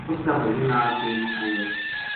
اس کا بھائیاں نال پیش آیو